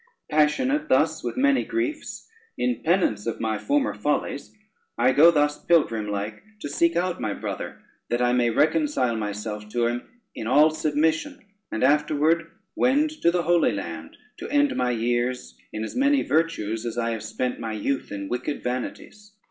Passionate thus with many griefs, in penance of my former follies I go thus pilgrim like to seek out my brother, that I may reconcile myself to him in all submission, and afterward wend to the Holy Land, to end my years in as many virtues as I have spent my youth in wicked vanities."